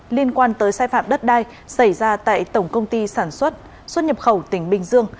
liên quan tới sai phạm đất đai xảy ra tại tổng công ty sản xuất xuất nhập khẩu tỉnh bình dương